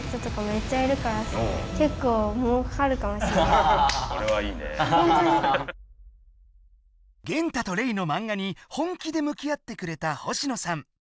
すごい！ゲンタとレイのマンガに本気でむき合ってくれた星野さん。